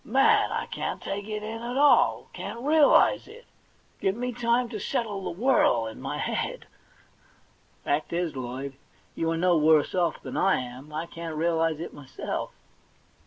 Man, I can't take it in at all ; can't realise it ; give me time to settle the ^Yhirl in my head.' * The fact is, Lloyd, you arc no worse off than I am. I can't realise it myself.'